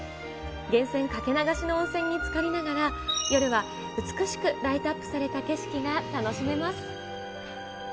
源泉かけ流しの温泉につかりながら、夜は美しくライトアップされた景色が楽しめます。